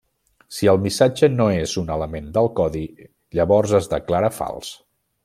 Si el missatge no és un element del codi, llavors es declara fals.